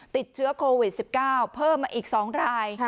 ติดเชื้อโควิด๑๙เพิ่มมาอีก๒ราย